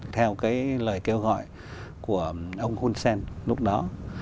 theo cái lời kêu gọi của ông hun sen lúc đó